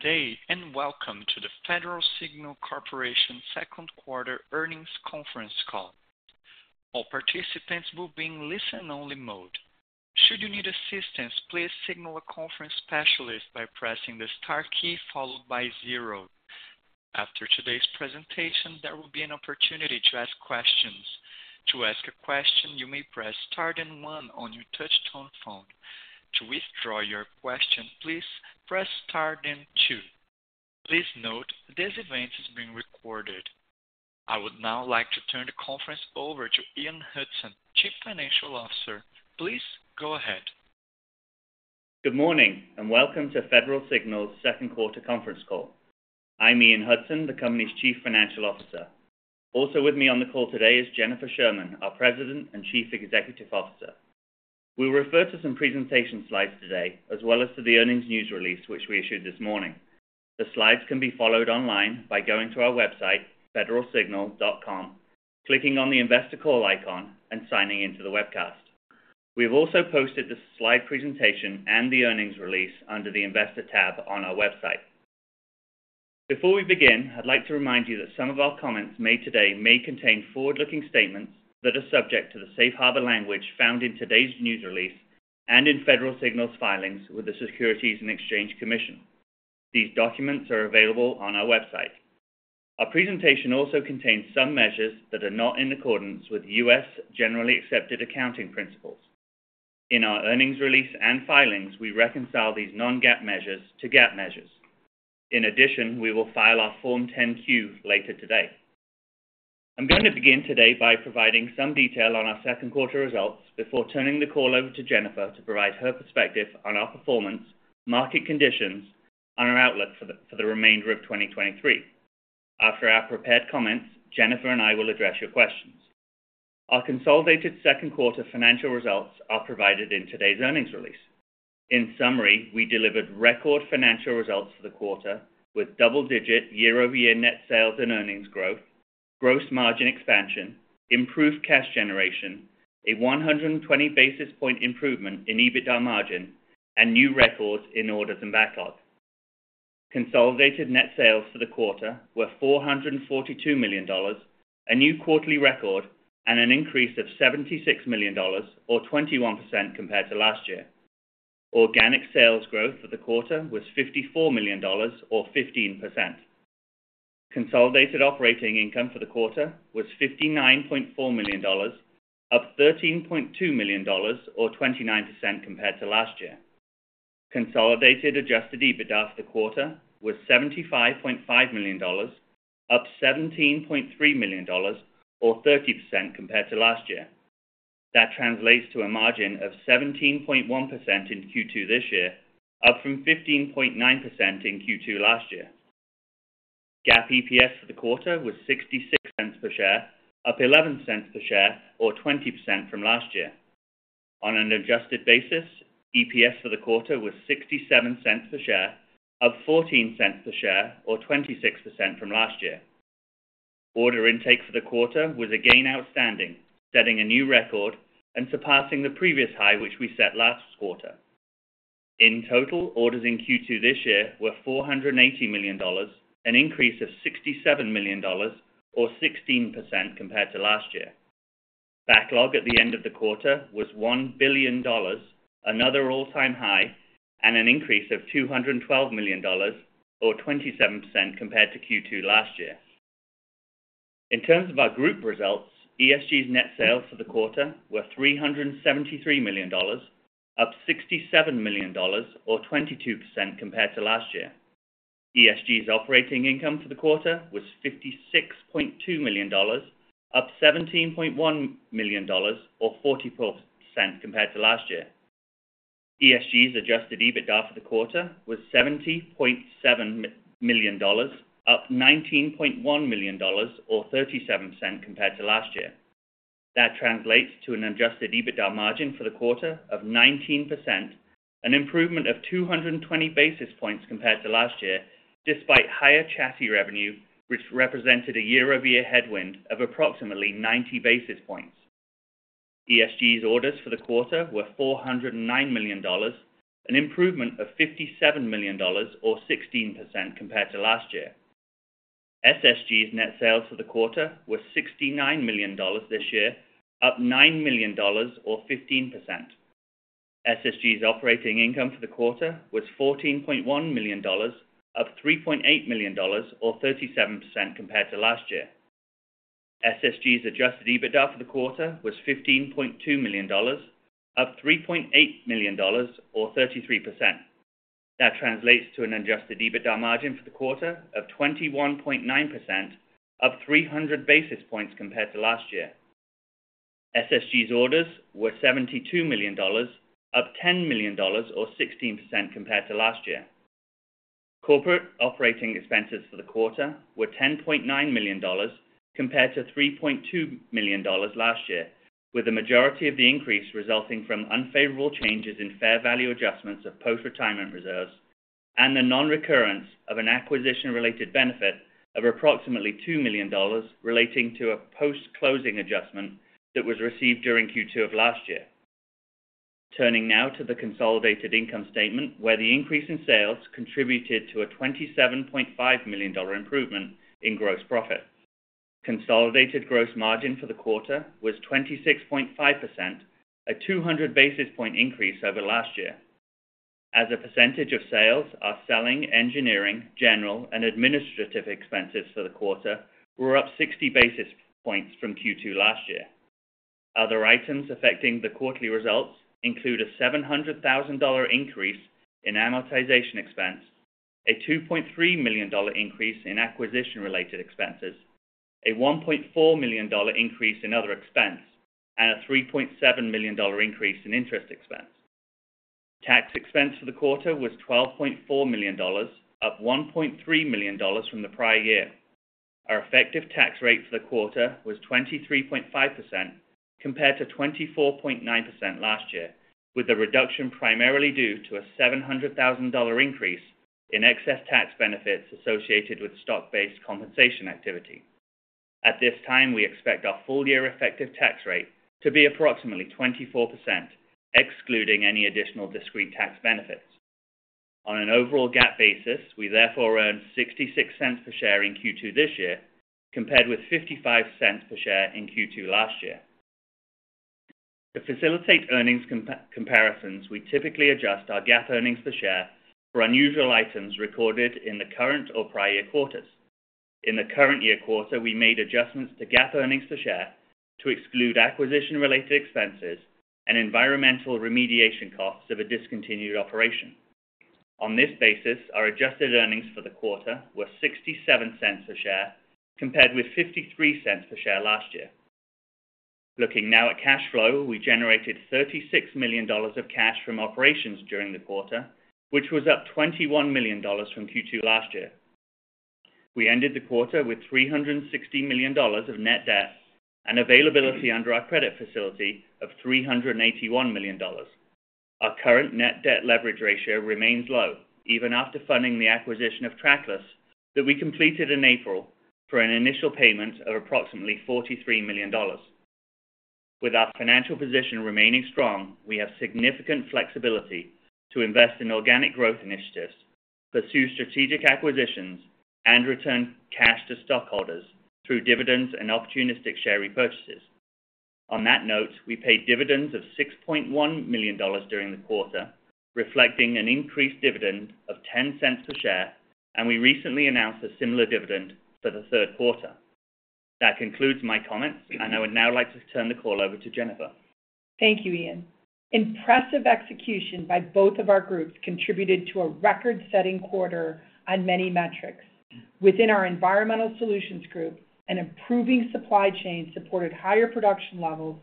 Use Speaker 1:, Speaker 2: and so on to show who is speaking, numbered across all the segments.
Speaker 1: Good day, welcome to the Federal Signal Corporation Second Quarter Earnings Conference Call. All participants will be in listen-only mode. Should you need assistance, please signal a conference specialist by pressing the star key followed by zero. After today's presentation, there will be an opportunity to ask questions. To ask a question, you may press Star and one on your touchtone phone. To withdraw your question, please press Star then two. Please note, this event is being recorded. I would now like to turn the conference over to Ian Hudson, Chief Financial Officer. Please go ahead.
Speaker 2: Good morning, Welcome to Federal Signal's Second Quarter Conference Call. I'm Ian Hudson, the company's Chief Financial Officer. Also with me on the call today is Jennifer Sherman, our President and Chief Executive Officer. We'll refer to some presentation slides today, as well as to the earnings news release, which we issued this morning. The slides can be followed online by going to our website, federalsignal.com, clicking on the Investor Call icon and signing in to the webcast. We have also posted the slide presentation and the earnings release under the Investor tab on our website. Before we begin, I'd like to remind you that some of our comments made today may contain forward-looking statements that are subject to the safe harbor language found in today's news release and in Federal Signal's filings with the Securities and Exchange Commission. These documents are available on our website. Our presentation also contains some measures that are not in accordance with U.S. Generally Accepted Accounting Principles. In our earnings release and filings, we reconcile these non-GAAP measures to GAAP measures. In addition, we will file our Form 10-Q later today. I'm going to begin today by providing some detail on our second quarter results before turning the call over to Jennifer to provide her perspective on our performance, market conditions, and our outlook for the remainder of 2023. After our prepared comments, Jennifer and I will address your questions. Our consolidated second quarter financial results are provided in today's earnings release. In summary, we delivered record financial results for the quarter, with double-digit year-over-year net sales and earnings growth, gross margin expansion, improved cash generation, a 120 basis point improvement in EBITDA margin, and new records in orders and backlogs. Consolidated net sales for the quarter were $442 million, a new quarterly record, and an increase of $76 million, or 21% compared to last year. Organic sales growth for the quarter was $54 million, or 15%. Consolidated operating income for the quarter was $59.4 million, up $13.2 million, or 29% compared to last year. Consolidated adjusted EBITDA for the quarter was $75.5 million, up $17.3 million, or 30% compared to last year. That translates to a margin of 17.1% in Q2 this year, up from 15.9% in Q2 last year. GAAP EPS for the quarter was $0.66 per share, up $0.11 per share or 20% from last year. On an adjusted basis, EPS for the quarter was $0.67 per share, up $0.14 per share, or 26% from last year. Order intake for the quarter was again outstanding, setting a new record and surpassing the previous high, which we set last quarter. In total, orders in Q2 this year were $480 million, an increase of $67 million, or 16% compared to last year. Backlog at the end of the quarter was $1 billion, another all-time high, and an increase of $212 million, or 27% compared to Q2 last year. In terms of our group results, ESG's net sales for the quarter were $373 million, up $67 million or 22% compared to last year. ESG's operating income for the quarter was $56.2 million, up $17.1 million, or 40% compared to last year. ESG's adjusted EBITDA for the quarter was $70.7 million, up $19.1 million, or 37% compared to last year. That translates to an adjusted EBITDA margin for the quarter of 19%, an improvement of 220 basis points compared to last year, despite higher chassis revenue, which represented a year-over-year headwind of approximately 90 basis points. ESG's orders for the quarter were $409 million, an improvement of $57 million, or 16% compared to last year. SSG's net sales for the quarter were $69 million this year, up $9 million or 15%. SSG's operating income for the quarter was $14.1 million, up $3.8 million, or 37% compared to last year. SSG's adjusted EBITDA for the quarter was $15.2 million, up $3.8 million or 33%. That translates to an adjusted EBITDA margin for the quarter of 21.9%, up 300 basis points compared to last year. SSG's orders were $72 million, up $10 million, or 16% compared to last year. Corporate operating expenses for the quarter were $10.9 million, compared to $3.2 million last year, with the majority of the increase resulting from unfavorable changes in fair value adjustments of post-retirement reserves and the non-recurrence of an acquisition-related benefit of approximately $2 million relating to a post-closing adjustment that was received during Q2 of last year. Turning now to the consolidated income statement, where the increase in sales contributed to a $27.5 million improvement in gross profit. Consolidated gross margin for the quarter was 26.5%, a 200 basis point increase over last year. As a percentage of sales, our selling, engineering, general, and administrative expenses for the quarter were up 60 basis points from Q2 last year. Other items affecting the quarterly results include a $700 thousand increase in amortization expense, a $2.3 million increase in acquisition-related expenses, a $1.4 million increase in other expense, and a $3.7 million increase in interest expense. Tax expense for the quarter was $12.4 million, up $1.3 million from the prior year. Our effective tax rate for the quarter was 23.5%, compared to 24.9% last year, with the reduction primarily due to a $700,000 increase in excess tax benefits associated with stock-based compensation activity. At this time, we expect our full year effective tax rate to be approximately 24%, excluding any additional discrete tax benefits. On an overall GAAP basis, we therefore earned $0.66 per share in Q2 this year, compared with $0.55 per share in Q2 last year. To facilitate earnings comparisons, we typically adjust our GAAP earnings per share for unusual items recorded in the current or prior year quarters. In the current year quarter, we made adjustments to GAAP earnings per share to exclude acquisition-related expenses and environmental remediation costs of a discontinued operation. On this basis, our adjusted earnings for the quarter were $0.67 per share, compared with $0.53 per share last year. Looking now at cash flow, we generated $36 million of cash from operations during the quarter, which was up $21 million from Q2 last year. We ended the quarter with $360 million of net debt and availability under our credit facility of $381 million. Our current net debt leverage ratio remains low, even after funding the acquisition of Trackless, that we completed in April for an initial payment of approximately $43 million. With our financial position remaining strong, we have significant flexibility to invest in organic growth initiatives, pursue strategic acquisitions, and return cash to stockholders through dividends and opportunistic share repurchases. On that note, we paid dividends of $6.1 million during the quarter, reflecting an increased dividend of $0.10 per share. We recently announced a similar dividend for the third quarter. That concludes my comments. I would now like to turn the call over to Jennifer.
Speaker 3: Thank you, Ian. Impressive execution by both of our groups contributed to a record-setting quarter on many metrics. Within our Environmental Solutions Group, an improving supply chain supported higher production levels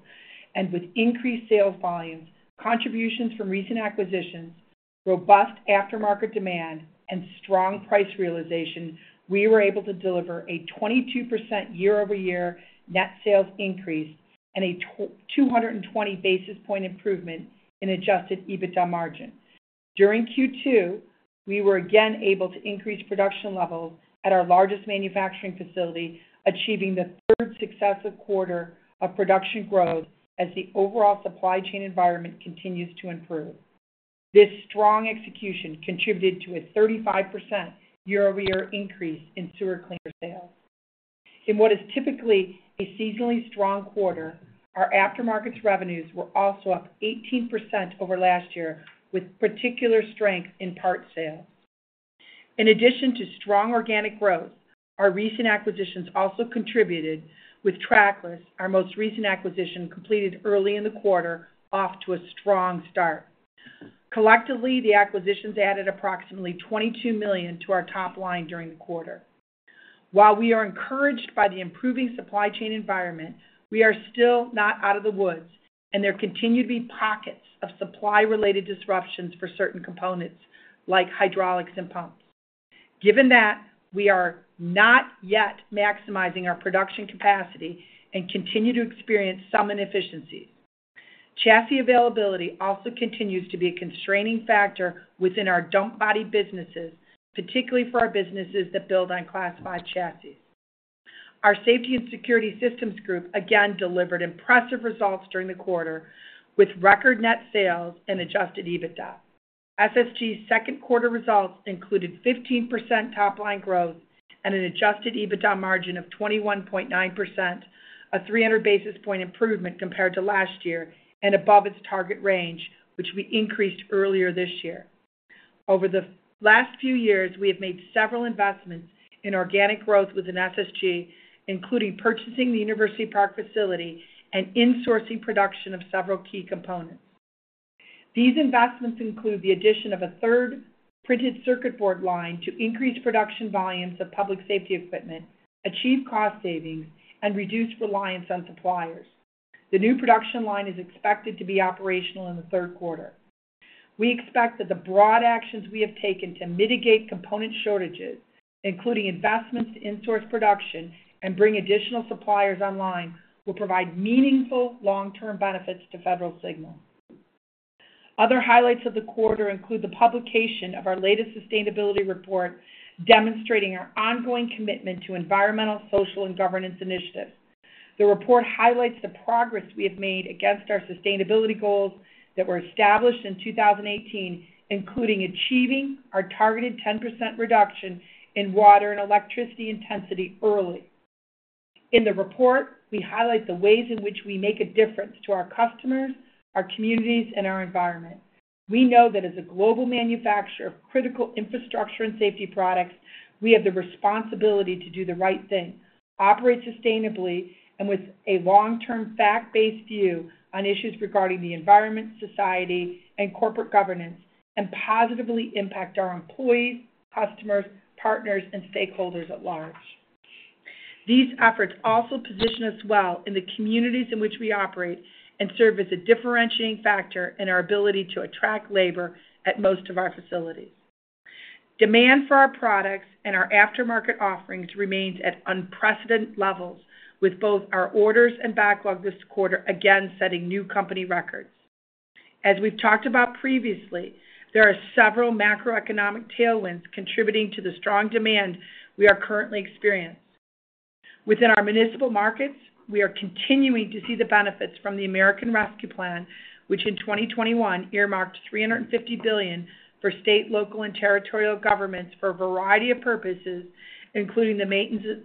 Speaker 3: and with increased sales volumes, contributions from recent acquisitions, robust aftermarket demand, and strong price realization, we were able to deliver a 22% year-over-year net sales increase and a 220 basis point improvement in adjusted EBITDA margin. During Q2, we were again able to increase production levels at our largest manufacturing facility, achieving the third successive quarter of production growth as the overall supply chain environment continues to improve. This strong execution contributed to a 35% year-over-year increase in sewer cleaner sales. In what is typically a seasonally strong quarter, our aftermarkets revenues were also up 18% over last year, with particular strength in parts sales. In addition to strong organic growth, our recent acquisitions also contributed with Trackless, our most recent acquisition, completed early in the quarter, off to a strong start. Collectively, the acquisitions added approximately $22 million to our top line during the quarter. While we are encouraged by the improving supply chain environment, we are still not out of the woods. There continue to be pockets of supply-related disruptions for certain components, like hydraulics and pumps. Given that, we are not yet maximizing our production capacity and continue to experience some inefficiencies. Chassis availability also continues to be a constraining factor within our dump body businesses, particularly for our businesses that build on Class 5 chassis. Our Safety and Security Systems Group again delivered impressive results during the quarter, with record net sales and adjusted EBITDA. SSG's second quarter results included 15% top-line growth and an adjusted EBITDA margin of 21.9%, a 300 basis point improvement compared to last year and above its target range, which we increased earlier this year. Over the last few years, we have made several investments in organic growth within SSG, including purchasing the University Park facility and insourcing production of several key components. These investments include the addition of a third printed circuit board line to increase production volumes of public safety equipment, achieve cost savings, and reduce reliance on suppliers. The new production line is expected to be operational in the third quarter. We expect that the broad actions we have taken to mitigate component shortages, including investments to in-source production and bring additional suppliers online, will provide meaningful long-term benefits to Federal Signal. Other highlights of the quarter include the publication of our latest sustainability report, demonstrating our ongoing commitment to environmental, social, and governance initiatives. The report highlights the progress we have made against our sustainability goals that were established in 2018, including achieving our targeted 10% reduction in water and electricity intensity early. In the report, we highlight the ways in which we make a difference to our customers, our communities, and our environment. We know that as a global manufacturer of critical infrastructure and safety products, we have the responsibility to do the right thing, operate sustainably, and with a long-term, fact-based view on issues regarding the environment, society, and corporate governance, and positively impact our employees, customers, partners, and stakeholders at large. These efforts also position us well in the communities in which we operate and serve as a differentiating factor in our ability to attract labor at most of our facilities. Demand for our products and our aftermarket offerings remains at unprecedented levels, with both our orders and backlog this quarter again setting new company records. As we've talked about previously, there are several macroeconomic tailwinds contributing to the strong demand we are currently experiencing. Within our municipal markets, we are continuing to see the benefits from the American Rescue Plan, which in 2021, earmarked $350 billion for state, local, and territorial governments for a variety of purposes, including the maintenance of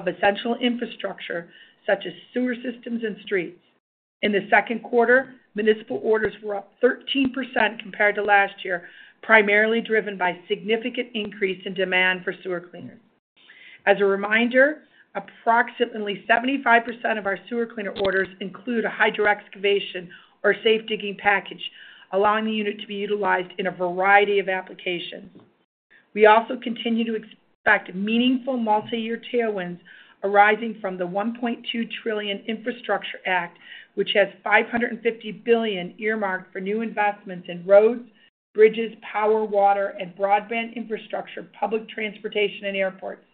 Speaker 3: essential infrastructure such as sewer systems and streets. In the second quarter, municipal orders were up 13% compared to last year, primarily driven by significant increase in demand for sewer cleaners. As a reminder, approximately 75% of our sewer cleaner orders include a hydro excavation or safe digging package, allowing the unit to be utilized in a variety of applications. We also continue to expect meaningful multi-year tailwinds arising from the $1.2 trillion Infrastructure Act, which has $550 billion earmarked for new investments in roads, bridges, power, water, and broadband infrastructure, public transportation, and airports.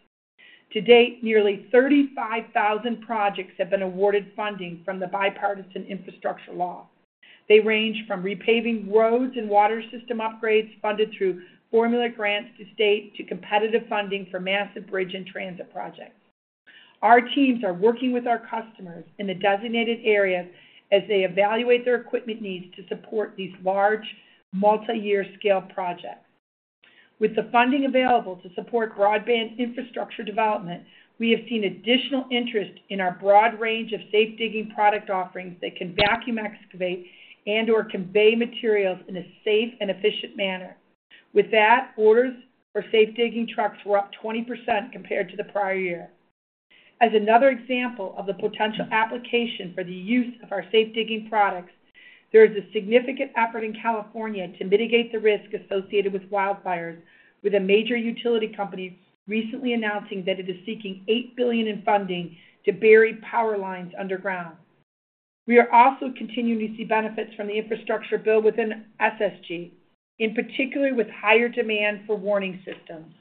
Speaker 3: To date, nearly 35,000 projects have been awarded funding from the Bipartisan Infrastructure Law. They range from repaving roads and water system upgrades funded through formula grants to state, to competitive funding for massive bridge and transit projects. Our teams are working with our customers in the designated areas as they evaluate their equipment needs to support these large, multi-year scale projects. With the funding available to support broadband infrastructure development, we have seen additional interest in our broad range of safe digging product offerings that can vacuum excavate and, or convey materials in a safe and efficient manner. With that, orders for safe digging trucks were up 20% compared to the prior year. As another example of the potential application for the use of our safe digging products, there is a significant effort in California to mitigate the risk associated with wildfires, with a major utility company recently announcing that it is seeking $8 billion in funding to bury power lines underground. We are also continuing to see benefits from the infrastructure bill within SSG, in particular, with higher demand for warning systems.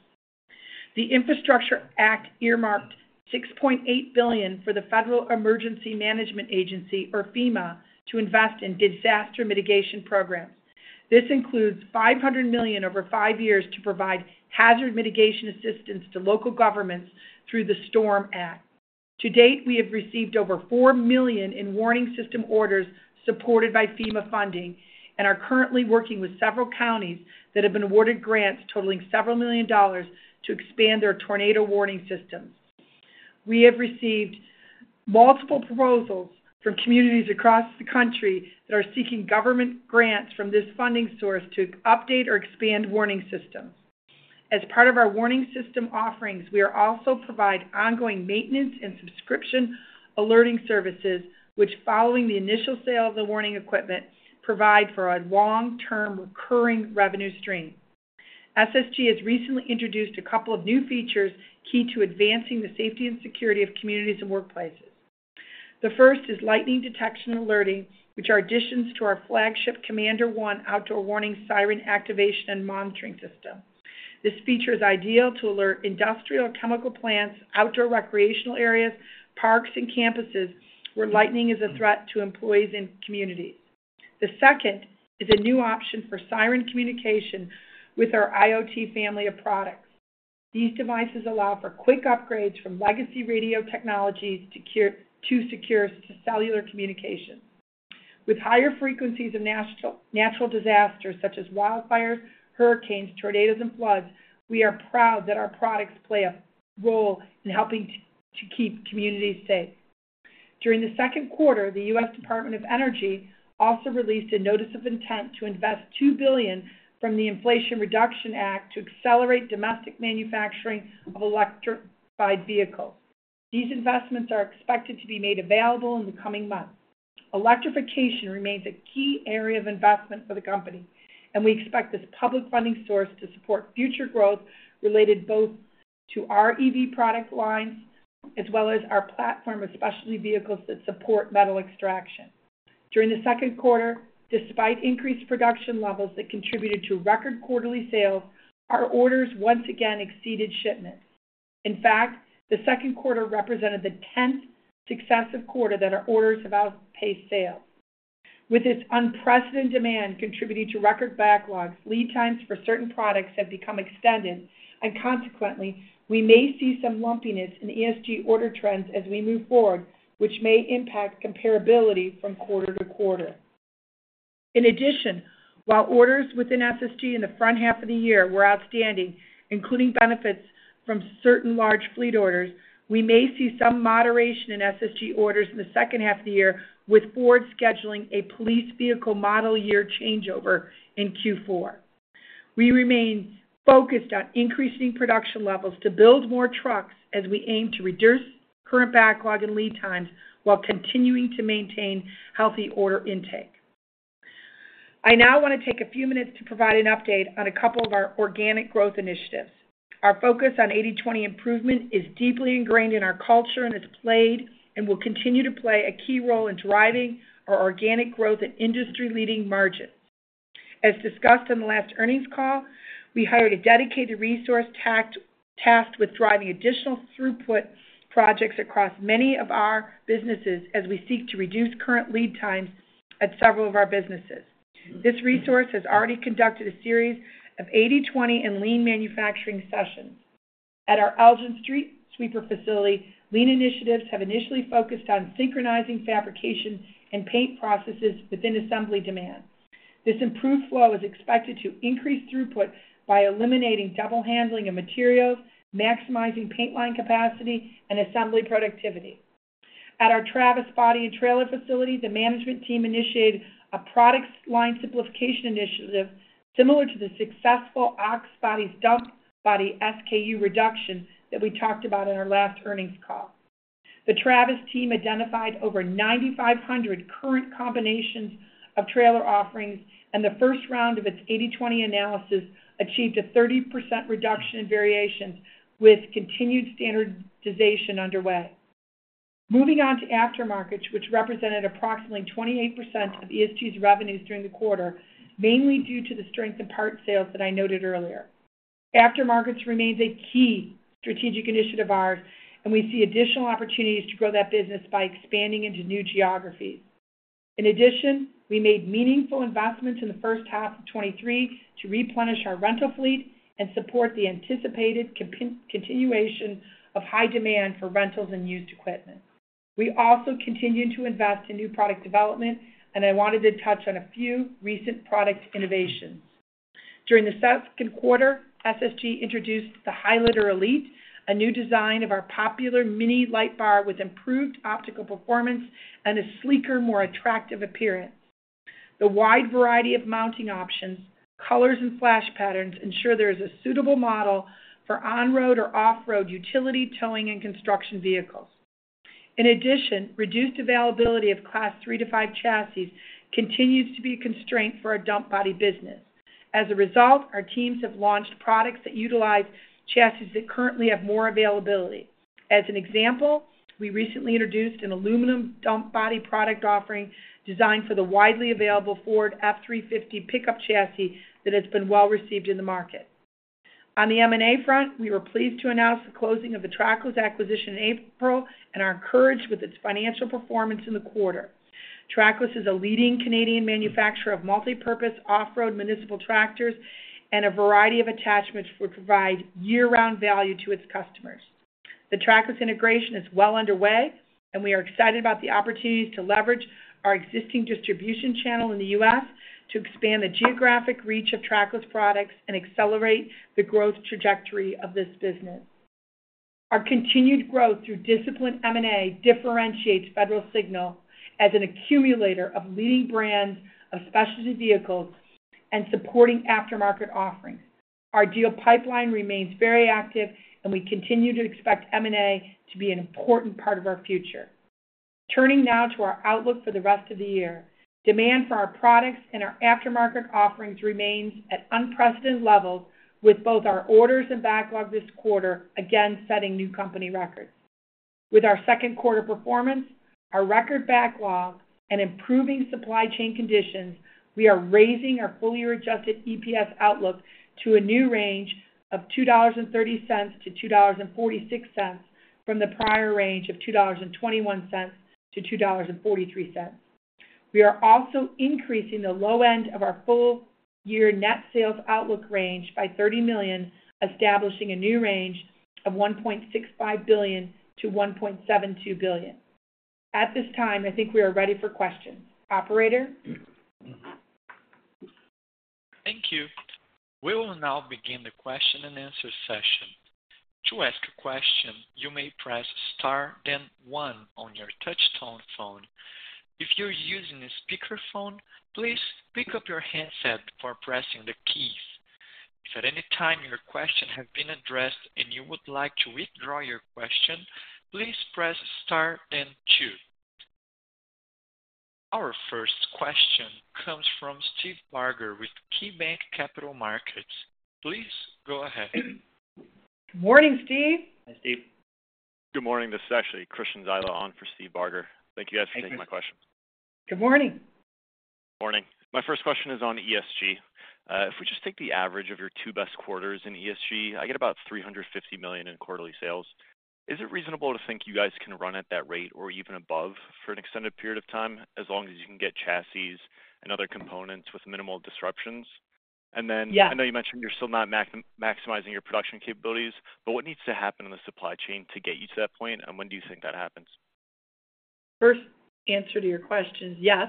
Speaker 3: The Infrastructure Act earmarked $6.8 billion for the Federal Emergency Management Agency, or FEMA, to invest in disaster mitigation programs. This includes $500 million over five years to provide hazard mitigation assistance to local governments through the STORM Act. To date, we have received over $4 million in warning system orders supported by FEMA funding and are currently working with several counties that have been awarded grants totaling several million dollars to expand their tornado warning systems. We have received multiple proposals from communities across the country that are seeking government grants from this funding source to update or expand warning systems. As part of our warning system offerings, we are also provide ongoing maintenance and subscription alerting services, which following the initial sale of the warning equipment, provide for a long-term recurring revenue stream. SSG has recently introduced a couple of new features key to advancing the safety and security of communities and workplaces. The first is lightning detection and alerting, which are additions to our flagship CommanderOne outdoor warning siren activation and monitoring system. This feature is ideal to alert industrial chemical plants, outdoor recreational areas, parks, and campuses where lightning is a threat to employees and communities. The second is a new option for siren communication with our IoT family of products. These devices allow for quick upgrades from legacy radio technologies to secure cellular communication. With higher frequencies of natural disasters such as wildfires, hurricanes, tornadoes, and floods, we are proud that our products play a role in helping to keep communities safe. During the second quarter, the U.S. Department of Energy also released a notice of intent to invest $2 billion from the Inflation Reduction Act to accelerate domestic manufacturing of electrified vehicles. These investments are expected to be made available in the coming months. Electrification remains a key area of investment for the company. We expect this public funding source to support future growth related both to our EV product lines as well as our platform of specialty vehicles that support metal extraction. During the second quarter, despite increased production levels that contributed to record quarterly sales, our orders once again exceeded shipments. In fact, the second quarter represented the 10th successive quarter that our orders have outpaced sales. With this unprecedented demand contributing to record backlogs, lead times for certain products have become extended, and consequently, we may see some lumpiness in ESG order trends as we move forward, which may impact comparability from quarter to quarter. In addition, while orders within SSG in the front half of the year were outstanding, including benefits from certain large fleet orders, we may see some moderation in SSG orders in the second half of the year, with Ford scheduling a police vehicle model year changeover in Q4. We remain focused on increasing production levels to build more trucks as we aim to reduce current backlog and lead times while continuing to maintain healthy order intake. I now want to take a few minutes to provide an update on a couple of our organic growth initiatives. Our focus on 80/20 improvement is deeply ingrained in our culture and has played, and will continue to play a key role in driving our organic growth and industry-leading margins. As discussed on the last earnings call, we hired a dedicated resource tasked with driving additional throughput projects across many of our businesses as we seek to reduce current lead times at several of our businesses. This resource has already conducted a series of 80/20 and lean manufacturing sessions. At our Elgin Street Sweeper facility, lean initiatives have initially focused on synchronizing fabrication and paint processes within assembly demand. This improved flow is expected to increase throughput by eliminating double handling of materials, maximizing paint line capacity, and assembly productivity. At our Travis Body and Trailer facility, the management team initiated a product line simplification initiative similar to the successful Ox Bodies dump body SKU reduction that we talked about in our last earnings call. The Travis team identified over 9,500 current combinations of trailer offerings. The first round of its 80/20 analysis achieved a 30% reduction in variations, with continued standardization underway. Moving on to Aftermarkets, which represented approximately 28% of ESG's revenues during the quarter, mainly due to the strength of parts sales that I noted earlier. Aftermarkets remains a key strategic initiative of ours. We see additional opportunities to grow that business by expanding into new geographies. In addition, we made meaningful investments in the first half of 2023 to replenish our rental fleet and support the anticipated continuation of high demand for rentals and used equipment. We also continued to invest in new product development. I wanted to touch on a few recent product innovations. During the second quarter, SSG introduced the HighLighter Elite, a new design of our popular Mini Light Bar with improved optical performance and a sleeker, more attractive appearance. The wide variety of mounting options, colors, and flash patterns ensure there is a suitable model for on-road or off-road utility, towing, and construction vehicles. In addition, reduced availability of Class 3 to 5 chassis continues to be a constraint for our dump body business. As a result, our teams have launched products that utilize chassis that currently have more availability. As an example, we recently introduced an aluminum dump body product offering designed for the widely available Ford F-350 pickup chassis that has been well received in the market. On the M&A front, we were pleased to announce the closing of the Trackless acquisition in April and are encouraged with its financial performance in the quarter. Trackless is a leading Canadian manufacturer of multipurpose off-road municipal tractors and a variety of attachments, which provide year-round value to its customers. The Trackless integration is well underway. We are excited about the opportunities to leverage our existing distribution channel in the U.S. to expand the geographic reach of Trackless products and accelerate the growth trajectory of this business. Our continued growth through disciplined M&A differentiates Federal Signal as an accumulator of leading brands of specialty vehicles and supporting aftermarket offerings. Our deal pipeline remains very active. We continue to expect M&A to be an important part of our future. Turning now to our outlook for the rest of the year. Demand for our products and our aftermarket offerings remains at unprecedented levels, with both our orders and backlog this quarter, again, setting new company records. With our second quarter performance, our record backlog, and improving supply chain conditions, we are raising our full-year adjusted EPS outlook to a new range of $2.30-$2.46, from the prior range of $2.21-$2.43. We are also increasing the low end of our full-year net sales outlook range by $30 million, establishing a new range of $1.65 billion-$1.72 billion. At this time, I think we are ready for questions. Operator?
Speaker 1: Thank you. We will now begin the question-and-answer session. To ask a question, you may press star, then one on your touchtone phone. If you're using a speakerphone, please pick up your handset before pressing the keys. If at any time your question has been addressed and you would like to withdraw your question, please press star and two. Our first question comes from Steve Barger with KeyBanc Capital Markets. Please go ahead.
Speaker 3: Good morning, Steve.
Speaker 2: Hi, Steve.
Speaker 4: Good morning. This is actually Christian Zyla on for Steve Barger. Thank you guys for taking my question.
Speaker 3: Good morning.
Speaker 4: Good morning. My first question is on ESG. If we just take the average of your two best quarters in ESG, I get about $350 million in quarterly sales. Is it reasonable to think you guys can run at that rate or even above for an extended period of time, as long as you can get chassis and other components with minimal disruptions?
Speaker 3: Yeah.
Speaker 4: Then I know you mentioned you're still not maximizing your production capabilities, but what needs to happen in the supply chain to get you to that point? When do you think that happens?
Speaker 3: First, answer to your question is yes.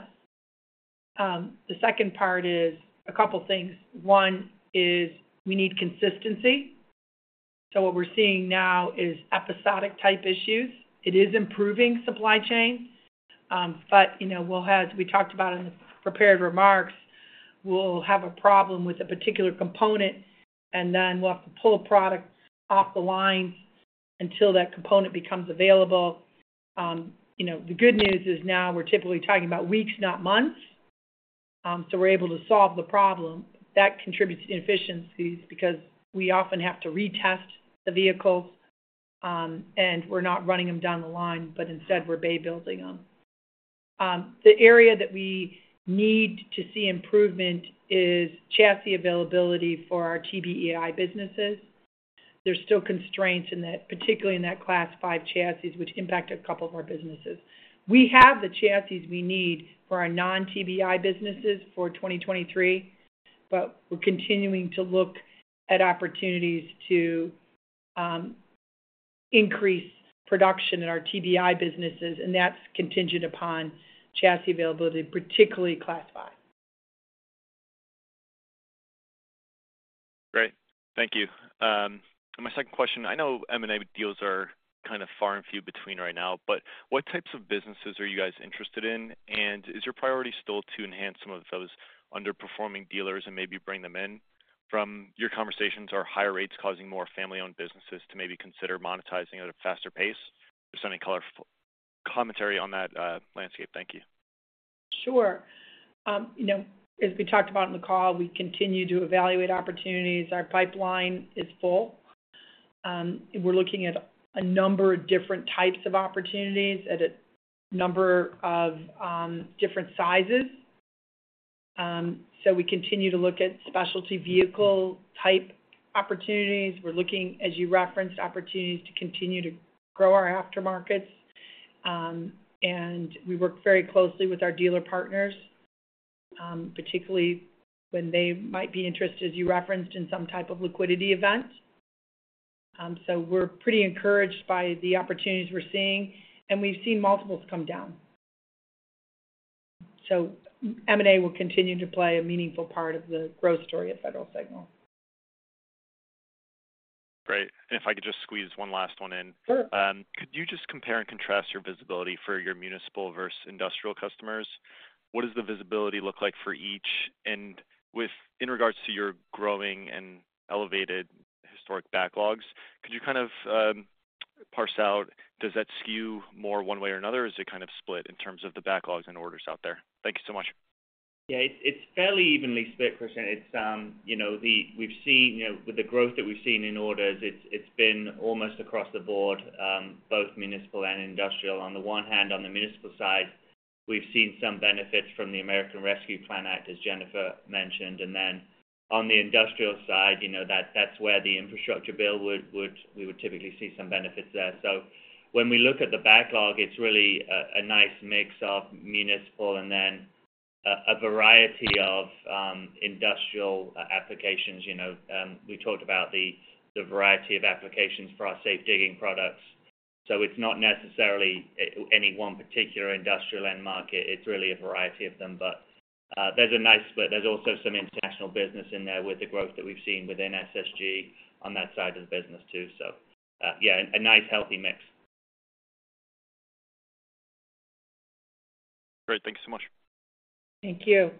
Speaker 3: The second part is a couple things. One is we need consistency. What we're seeing now is episodic type issues. It is improving supply chain, you know, we talked about in the prepared remarks, we'll have a problem with a particular component, and then we'll have to pull a product off the line until that component becomes available. You know, the good news is now we're typically talking about weeks, not months. We're able to solve the problem. That contributes to inefficiencies because we often have to retest the vehicles, and we're not running them down the line, but instead, we're bay building them. The area that we need to see improvement is chassis availability for our TBEI businesses. There's still constraints in that, particularly in that Class 5 chassis, which impact a couple of our businesses. We have the chassis we need for our non-TBEI businesses for 2023. We're continuing to look at opportunities to increase production in our TBEI businesses. That's contingent upon chassis availability, particularly Class 5.
Speaker 4: Great. Thank you. My second question, I know M&A deals are kind of far and few between right now, but what types of businesses are you guys interested in? Is your priority still to enhance some of those underperforming dealers and maybe bring them in? From your conversations, are higher rates causing more family-owned businesses to maybe consider monetizing at a faster pace? Just any commentary on that landscape. Thank you.
Speaker 3: Sure. You know, as we talked about in the call, we continue to evaluate opportunities. Our pipeline is full. We're looking at a number of different types of opportunities at a number of different sizes. We continue to look at specialty vehicle type opportunities. We're looking, as you referenced, opportunities to continue to grow our aftermarkets. And we work very closely with our dealer partners, particularly when they might be interested, as you referenced, in some type of liquidity event. We're pretty encouraged by the opportunities we're seeing, and we've seen multiples come down. M&A will continue to play a meaningful part of the growth story at Federal Signal.
Speaker 4: Great. If I could just squeeze one last one in.
Speaker 3: Sure.
Speaker 4: Could you just compare and contrast your visibility for your municipal versus industrial customers? What does the visibility look like for each? With, in regards to your growing and elevated historic backlogs, could you kind of parse out, does that skew more one way or another, or is it kind of split in terms of the backlogs and orders out there? Thank you so much.
Speaker 2: Yeah, it's, it's fairly evenly split, Christian. It's, you know, we've seen, you know, with the growth that we've seen in orders, it's, it's been almost across the board, both municipal and industrial. On the one hand, on the municipal side, we've seen some benefits from the American Rescue Plan Act, as Jennifer mentioned. Then on the industrial side, you know, that's where the infrastructure bill would we would typically see some benefits there. When we look at the backlog, it's really a, a nice mix of municipal and then a, a variety of industrial applications. You know, we talked about the, the variety of applications for our safe digging products, so it's not necessarily any one particular industrial end market. It's really a variety of them, but there's a nice split. There's also some international business in there with the growth that we've seen within SSG on that side of the business, too. Yeah, a nice, healthy mix.
Speaker 4: Great. Thank you so much.
Speaker 3: Thank you.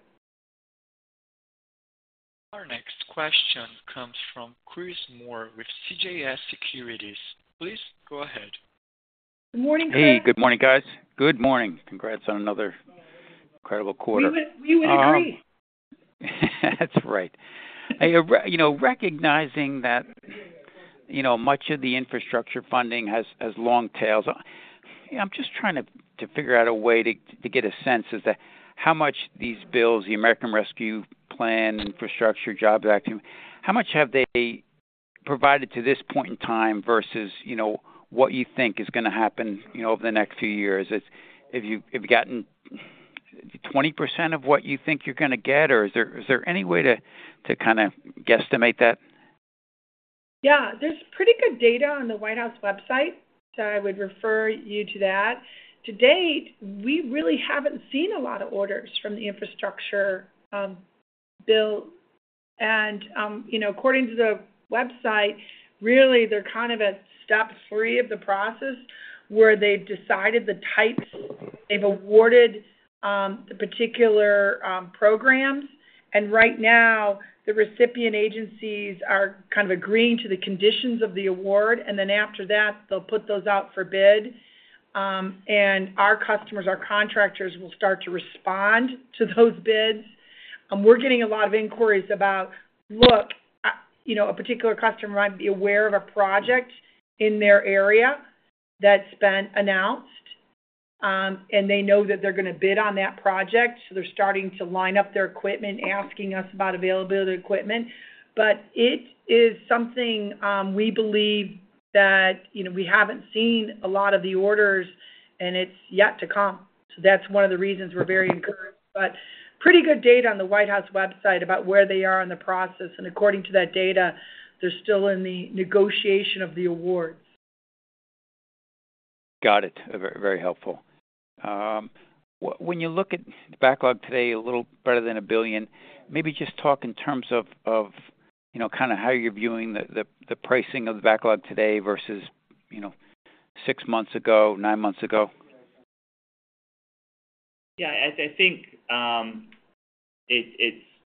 Speaker 1: Our next question comes from Chris Moore with CJS Securities. Please go ahead.
Speaker 3: Good morning, Chris.
Speaker 5: Hey, good morning, guys.
Speaker 2: Good morning.
Speaker 5: Congrats on another incredible quarter.
Speaker 3: We would agree.
Speaker 5: That's right. Hey, you know, recognizing that, you know, much of the infrastructure funding has long tails, I'm just trying to, to figure out a way to, to get a sense as to how much these bills, the American Rescue Plan, Infrastructure Jobs Act, how much have they provided to this point in time versus, you know, what you think is going to happen, you know, over the next few years? Have you gotten 20% of what you think you're going to get, or is there any way to, to kind of guesstimate that?
Speaker 3: Yeah. There's pretty good data on the White House website. I would refer you to that. To date, we really haven't seen a lot of orders from the infrastructure bill. You know, according to the website, really, they're kind of at step three of the process, where they've decided the types, they've awarded the particular programs. Right now, the recipient agencies are kind of agreeing to the conditions of the award. After that, they'll put those out for bid. Our customers, our contractors, will start to respond to those bids. We're getting a lot of inquiries about, look, you know, a particular customer might be aware of a project in their area that's been announced... They know that they're going to bid on that project, so they're starting to line up their equipment, asking us about availability of equipment. It is something, we believe that, you know, we haven't seen a lot of the orders, and it's yet to come. That's one of the reasons we're very encouraged. Pretty good data on the White House website about where they are in the process, and according to that data, they're still in the negotiation of the awards.
Speaker 5: Got it. Very, very helpful. When you look at the backlog today, a little better than $1 billion, maybe just talk in terms of, you know, kind of how you're viewing the pricing of the backlog today versus, you know, six months ago, nine months ago.
Speaker 2: Yeah, I think,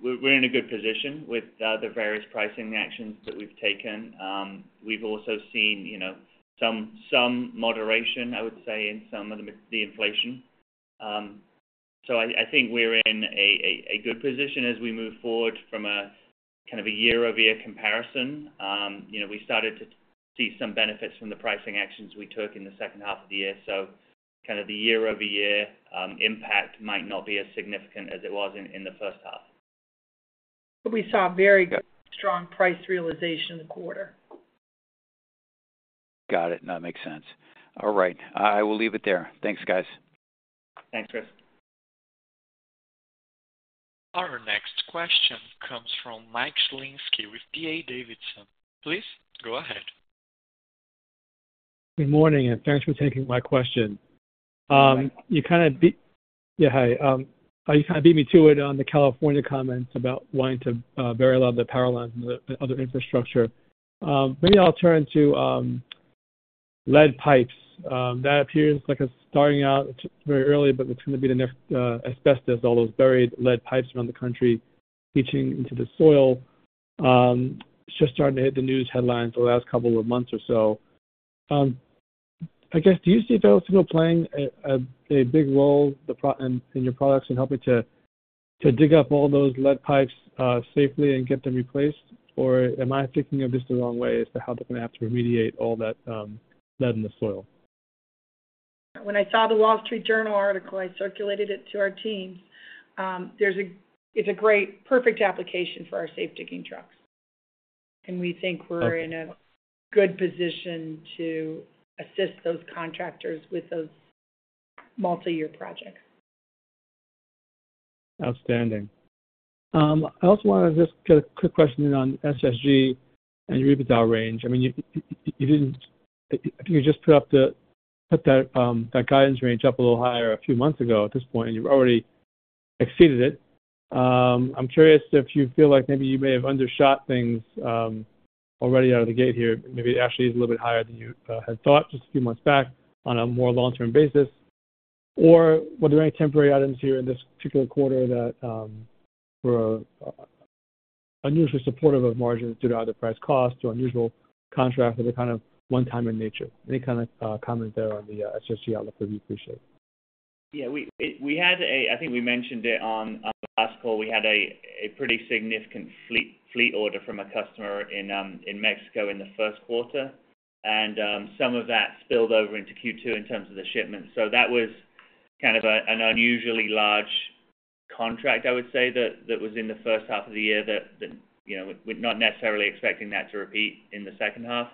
Speaker 2: we're in a good position with the various pricing actions that we've taken. We've also seen, you know, some moderation, I would say, in some of the inflation. I think we're in a good position as we move forward from a kind of a year-over-year comparison. You know, we started to see some benefits from the pricing actions we took in the second half of the year. Kind of the year-over-year impact might not be as significant as it was in the first half.
Speaker 3: We saw a very good, strong price realization in the quarter.
Speaker 5: Got it. No, it makes sense. All right. I will leave it there. Thanks, guys.
Speaker 2: Thanks, Chris.
Speaker 1: Our next question comes from Mike Shlisky with D.A. Davidson. Please go ahead.
Speaker 6: Good morning, thanks for taking my question. Yeah, hi. You kind of beat me to it on the California comments about wanting to bury a lot of the power lines and the other infrastructure. Maybe I'll turn to lead pipes. That appears like it's starting out very early, it's going to be the next asbestos, all those buried lead pipes around the country leaching into the soil. It's just starting to hit the news headlines the last couple of months or so. I guess, do you see vertical playing a big role in your products, in helping to dig up all those lead pipes safely and get them replaced? Am I thinking of this the wrong way as to how they're gonna have to remediate all that lead in the soil?
Speaker 3: When I saw the Wall Street Journal article, I circulated it to our teams. It's a great, perfect application for our safe digging trucks. We think we're in a good position to assist those contractors with those multi-year projects.
Speaker 6: Outstanding. I also wanted to just get a quick question in on SSG and your EBITDA range. I mean, you didn't. I think you just put that guidance range up a little higher a few months ago at this point, and you've already exceeded it. I'm curious if you feel like maybe you may have undershot things already out of the gate here. Maybe it actually is a little bit higher than you had thought just a few months back on a more long-term basis. Or were there any temporary items here in this particular quarter that were unusually supportive of margins due to either price cost or unusual contracts that are kind of one time in nature? Any kind of comment there on the SSG outlook would be appreciated.
Speaker 2: Yeah, we had a. I think we mentioned it on our last call. We had a pretty significant fleet order from a customer in Mexico in the first quarter. Some of that spilled over into Q2 in terms of the shipments. That was kind of an unusually large contract, I would say, that was in the first half of the year, that, you know, we're not necessarily expecting that to repeat in the second half.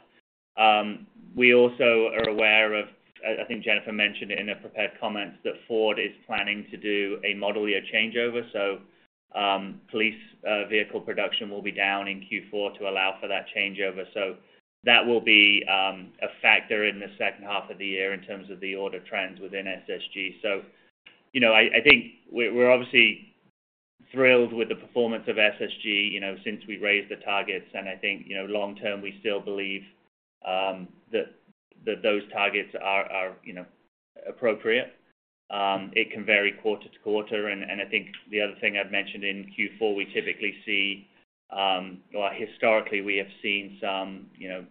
Speaker 2: We also are aware of, I think Jennifer mentioned it in her prepared comments, that Ford is planning to do a model year changeover. Police vehicle production will be down in Q4 to allow for that changeover. That will be a factor in the second half of the year in terms of the order trends within SSG. You know, I think we're obviously thrilled with the performance of SSG, you know, since we raised the targets. I think, you know, long term, we still believe that those targets are, you know, appropriate. It can vary quarter to quarter. I think the other thing I'd mentioned in Q4, we typically see, or historically, we have seen some, you know,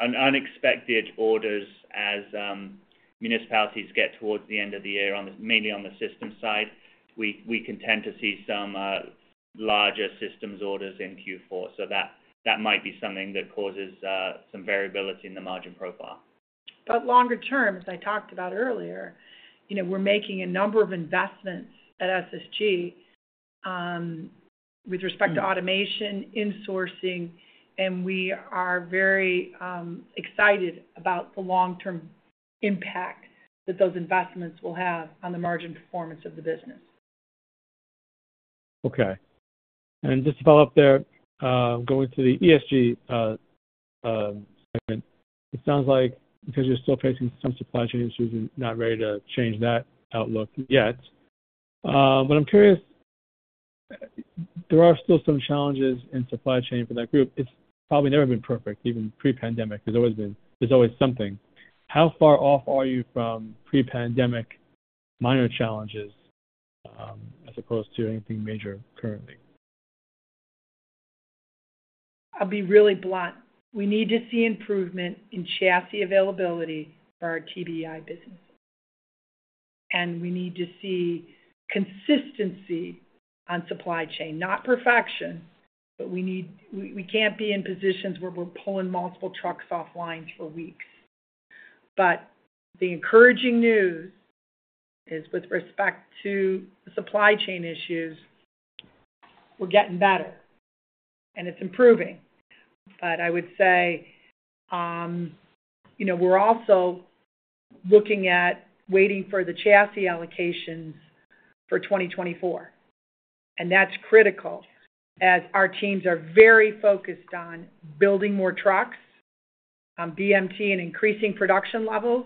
Speaker 2: unexpected orders as municipalities get towards the end of the year on the, mainly on the systems side. We can tend to see some larger systems orders in Q4. That might be something that causes some variability in the margin profile.
Speaker 3: Longer term, as I talked about earlier, you know, we're making a number of investments at SSG, with respect to automation, insourcing, and we are very excited about the long-term impact that those investments will have on the margin performance of the business.
Speaker 6: Okay. Just to follow up there, going to the ESG segment, it sounds like because you're still facing some supply chain issues and not ready to change that outlook yet. I'm curious, there are still some challenges in supply chain for that group. It's probably never been perfect, even pre-pandemic. There's always something. How far off are you from pre-pandemic minor challenges as opposed to anything major currently?
Speaker 3: I'll be really blunt. We need to see improvement in chassis availability for our TBEI businesses. And we need to see consistency on supply chain, not perfection. But we need, we can't be in positions where we're pulling multiple trucks offline for weeks. The encouraging news is, with respect to supply chain issues, we're getting better, and it's improving. I would say, you know, we're also looking at waiting for the chassis allocations for 2024, and that's critical, as our teams are very focused on building more trucks, on BMT and increasing production levels.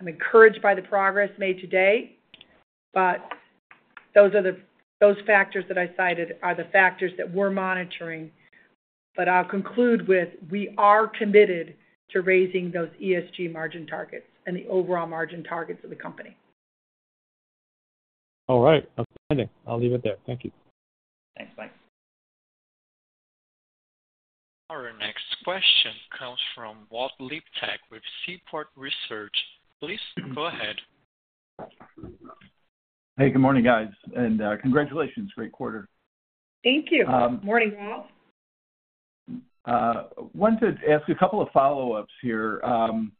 Speaker 3: I'm encouraged by the progress made today. Those factors that I cited are the factors that we're monitoring. I'll conclude with, we are committed to raising those ESG margin targets and the overall margin targets of the company.
Speaker 6: All right. Outstanding. I'll leave it there. Thank you.
Speaker 2: Thanks, Mike.
Speaker 1: Our next question comes from Walt Liptak with Seaport Research. Please, go ahead.
Speaker 7: Hey, good morning, guys, and congratulations. Great quarter.
Speaker 3: Thank you.
Speaker 7: Um-
Speaker 3: Morning, Walt.
Speaker 7: Wanted to ask a couple of follow-ups here. On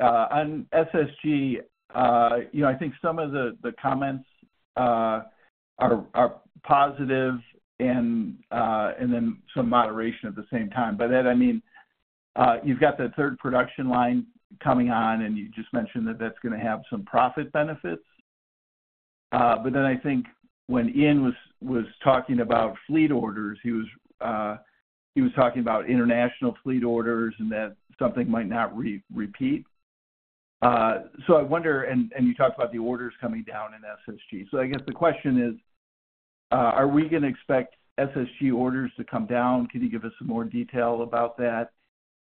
Speaker 7: SSG, you know, I think some of the comments are positive and then some moderation at the same time. By that, I mean, you've got that third production line coming on, and you just mentioned that that's gonna have some profit benefits. I think when Ian was talking about fleet orders, he was talking about international fleet orders and that something might not repeat. I wonder, and you talked about the orders coming down in SSG. I guess the question is, are we gonna expect SSG orders to come down? Can you give us some more detail about that?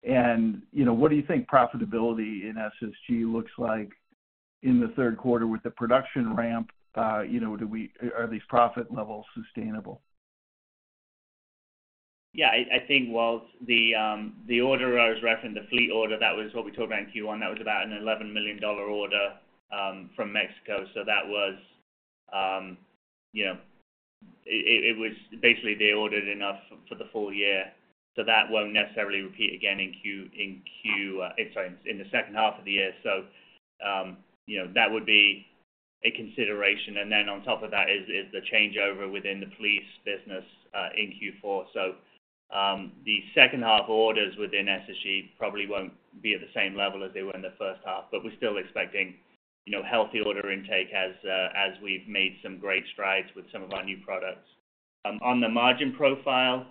Speaker 7: You know, what do you think profitability in SSG looks like in the third quarter with the production ramp? You know, are these profit levels sustainable?
Speaker 2: Yeah, I think, Walt, the order I was referencing, the fleet order, that was what we talked about in Q1. That was about a $11 million order from Mexico. You know, it was basically, they ordered enough for the full year, so that won't necessarily repeat again in Q, sorry, in the second half of the year. That would be a consideration, and then on top of that is the changeover within the police business in Q4. The second half orders within SSG probably won't be at the same level as they were in the first half, but we're still expecting, you know, healthy order intake as we've made some great strides with some of our new products. On the margin profile,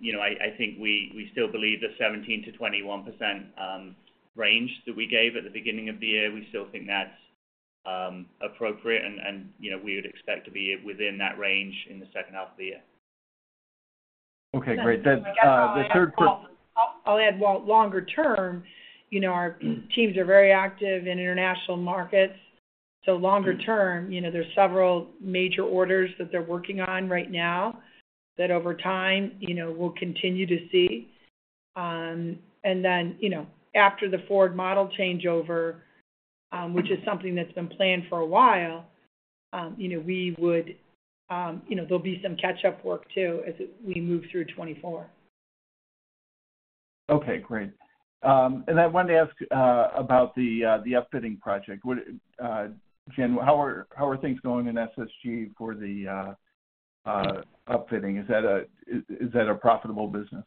Speaker 2: you know, I, I think we, we still believe the 17%-21% range that we gave at the beginning of the year, we still think that's appropriate and, and, you know, we would expect to be within that range in the second half of the year.
Speaker 7: Okay, great. The third
Speaker 3: I'll add, Walt, longer term, you know, our teams are very active in international markets, so longer term, you know, there's several major orders that they're working on right now that over time, you know, we'll continue to see. You know, after the Ford model changeover, which is something that's been planned for a while, you know, we would, you know, there'll be some catch-up work, too, as we move through 2024.
Speaker 7: Okay, great. I wanted to ask about the upfitting project. Would Jen, how are things going in SSG for the upfitting? Is that a profitable business?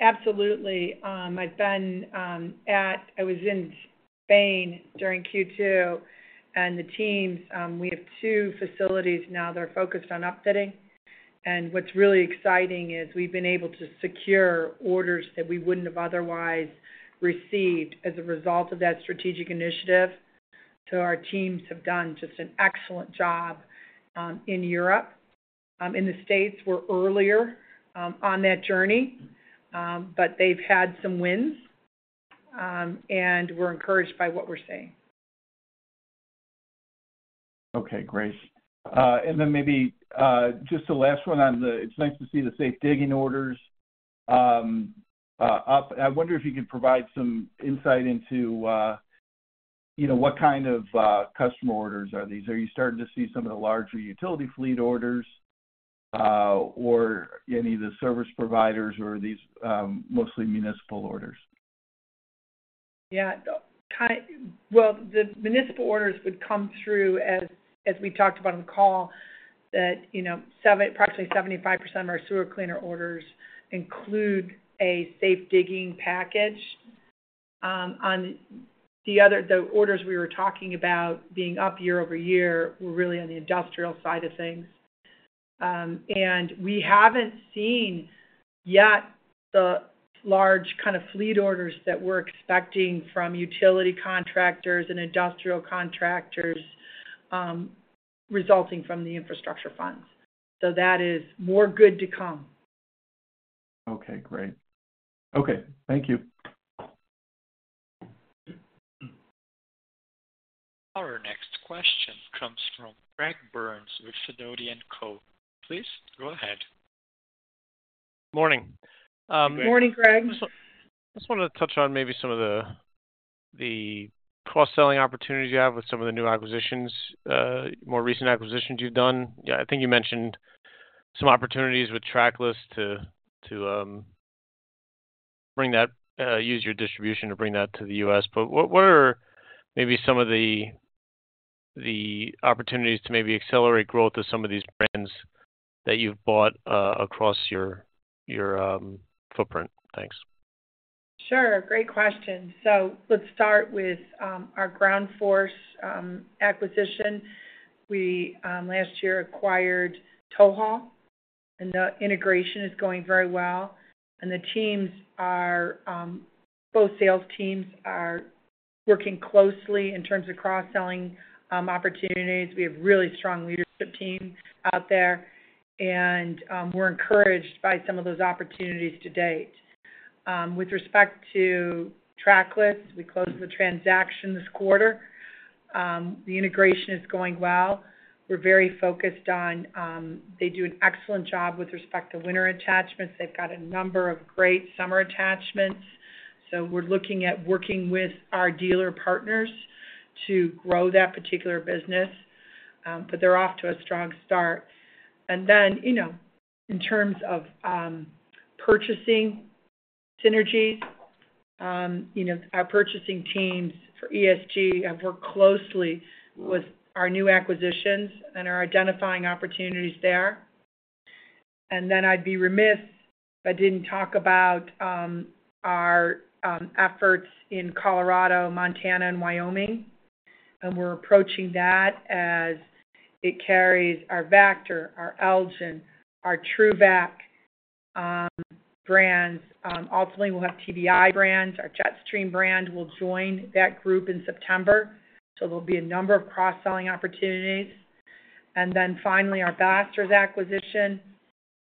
Speaker 3: Absolutely. I've been, I was in Spain during Q2. The teams, we have two facilities now that are focused on upfitting, and what's really exciting is we've been able to secure orders that we wouldn't have otherwise received as a result of that strategic initiative. Our teams have done just an excellent job in Europe. In the States, we're earlier on that journey, but they've had some wins, and we're encouraged by what we're seeing.
Speaker 7: Okay, great. It's nice to see the safe digging orders up. I wonder if you could provide some insight into, you know, what kind of customer orders are these? Are you starting to see some of the larger utility fleet orders, or any of the service providers, or are these mostly municipal orders?
Speaker 3: Yeah, Well, the municipal orders would come through as, as we talked about on the call, that, you know, approximately 75% of our sewer cleaner orders include a safe digging package. On the other, the orders we were talking about being up year-over-year were really on the industrial side of things. We haven't seen yet the large kind of fleet orders that we're expecting from utility contractors and industrial contractors, resulting from the infrastructure funds. That is more good to come.
Speaker 7: Okay, great. Okay, thank you.
Speaker 1: Our next question comes from Greg Burns with Sidoti & Company. Please, go ahead.
Speaker 8: Morning.
Speaker 3: Good morning, Greg.
Speaker 8: Just wanted to touch on maybe some of the, the cross-selling opportunities you have with some of the new acquisitions, more recent acquisitions you've done. Yeah, I think you mentioned some opportunities with Trackless to bring that, use your distribution to bring that to the U.S. What are maybe some of the, the opportunities to maybe accelerate growth of some of these brands that you've bought, across your footprint? Thanks.
Speaker 3: Sure. Great question. Let's start with our Ground Force acquisition. We last year acquired TowHaul, and the integration is going very well. Both sales teams are working closely in terms of cross-selling opportunities. We have really strong leadership team out there, and we're encouraged by some of those opportunities to date. With respect to Trackless, we closed the transaction this quarter. The integration is going well. We're very focused on, they do an excellent job with respect to winter attachments. They've got a number of great summer attachments, so we're looking at working with our dealer partners to grow that particular business, but they're off to a strong start. In terms of, you know, purchasing synergies, our purchasing teams for ESG have worked closely with our new acquisitions and are identifying opportunities there. I'd be remiss if I didn't talk about our efforts in Colorado, Montana, and Wyoming, and we're approaching that as it carries our Vactor, our Elgin, our TRUVAC brands. Ultimately, we'll have TBEI brands. Our Jetstream brand will join that group in September. There'll be a number of cross-selling opportunities. Finally, our Blasters acquisition.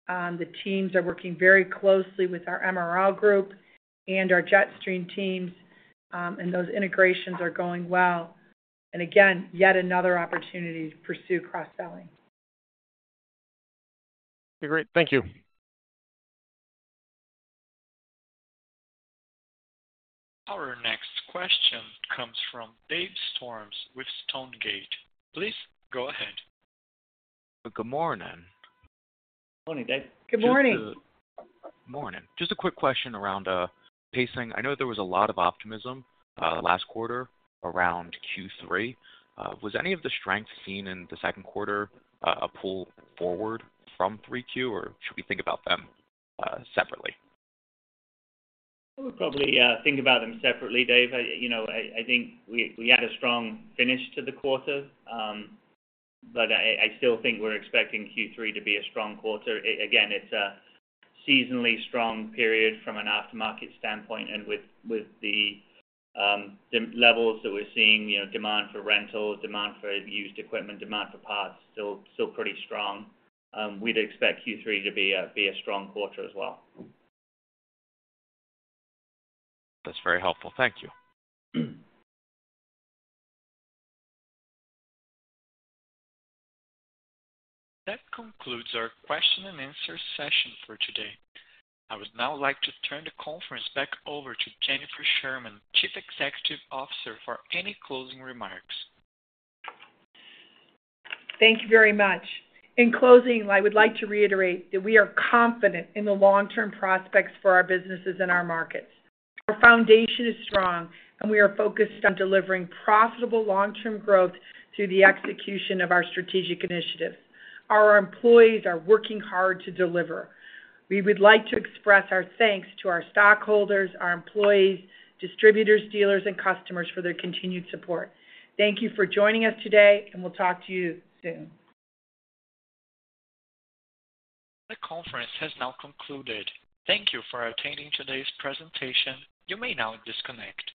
Speaker 3: The teams are working very closely with our MRL group and our Jetstream teams, and those integrations are going well. Again, yet another opportunity to pursue cross-selling.
Speaker 8: Okay, great. Thank you.
Speaker 1: Our next question comes from Dave Storms with Stonegate. Please go ahead.
Speaker 9: Good morning.
Speaker 2: Morning, Dave.
Speaker 3: Good morning!
Speaker 9: Morning. Just a quick question around pacing. I know there was a lot of optimism last quarter around Q3. Was any of the strength seen in the second quarter a pull forward from 3Q, or should we think about them separately?
Speaker 2: I would probably think about them separately, Dave. You know, I, I think we, we had a strong finish to the quarter, but I, I still think we're expecting Q3 to be a strong quarter. Again, it's a seasonally strong period from an aftermarket standpoint, and with the levels that we're seeing, you know, demand for rentals, demand for used equipment, demand for parts, still pretty strong. We'd expect Q3 to be a strong quarter as well.
Speaker 9: That's very helpful. Thank you.
Speaker 1: That concludes our question and answer session for today. I would now like to turn the conference back over to Jennifer Sherman, Chief Executive Officer, for any closing remarks.
Speaker 3: Thank you very much. In closing, I would like to reiterate that we are confident in the long-term prospects for our businesses and our markets. Our foundation is strong, and we are focused on delivering profitable long-term growth through the execution of our strategic initiatives. Our employees are working hard to deliver. We would like to express our thanks to our stockholders, our employees, distributors, dealers, and customers for their continued support. Thank you for joining us today, and we'll talk to you soon.
Speaker 1: The conference has now concluded. Thank you for attending today's presentation. You may now disconnect.